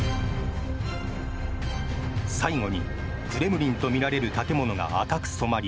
最後に、クレムリンとみられる建物が赤く染まり